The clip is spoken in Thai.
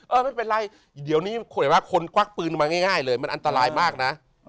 ไม่เป็นไรเดี๋ยวนี้คนควักปืนมาง่ายเลยมันอันตรายมากนะ